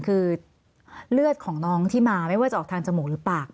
คือเลือดของน้องที่มาไม่ว่าจะออกทางจมูกหรือปาก